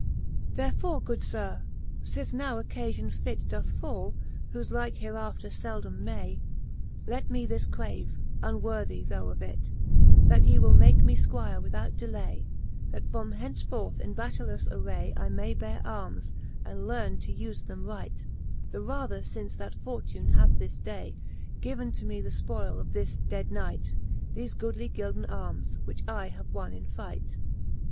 Therefore, good Sir, fith now occafion fit Doth fall, whofe like hereafter ieldome may, Let me this crave, unworthy though of it, That ye will make me Squire without delay, That from henceforth in batteilous array I may beare armes, and learne to ufe them right; The rather fince that fortune hath this day Given to me the ipoile of this dead knight, The{e goodly gilden armes, which I have won in fight.